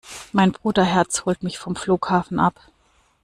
Mein Bruderherz holt mich vom Flughafen ab.